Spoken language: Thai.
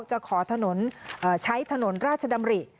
จะขอถนนใช้ถนนราชดำริ